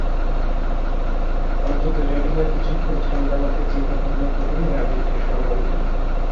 অন্তত যদি না কিছুক্ষণ ঠান্ডা মাথায় চিন্তাভাবনা করি, আর আবেগকে সামাল দেই।